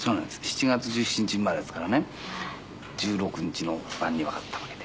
７月１７日生まれですからね１６日の晩にわかったわけで。